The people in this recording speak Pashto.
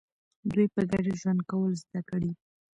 دوی په ګډه ژوند کول زده کړي.